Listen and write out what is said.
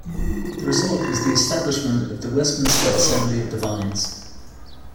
The result was the establishment of the Westminster Assembly of Divines.